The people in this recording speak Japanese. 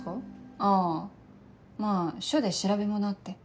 あぁまぁ署で調べ物あって。